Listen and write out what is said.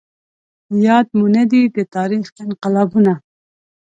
ياد مو نه دي د تاريخ انقلابونه